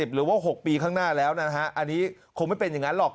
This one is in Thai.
หรือว่า๖ปีข้างหน้าแล้วนะฮะอันนี้คงไม่เป็นอย่างนั้นหรอก